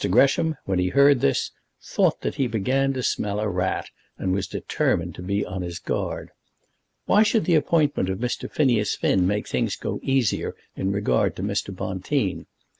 Gresham, when he heard this, thought that he began to smell a rat, and was determined to be on his guard. Why should the appointment of Mr. Phineas Finn make things go easier in regard to Mr. Bonteen?